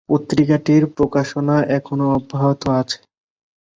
পত্রিকাটির প্রকাশনা এখনও অব্যাহত আছে।